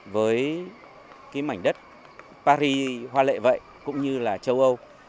với cái mảnh đất paris hoa lệ vậy cũng như là châu âu